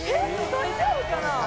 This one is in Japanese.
大丈夫かな？